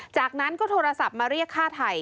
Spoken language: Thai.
จากนั้นก็โทรศัพท์มาเรียกฆ่าไทย